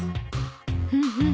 うんうん。